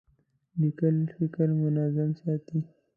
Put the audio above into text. لیکل فکر منظم ساتي.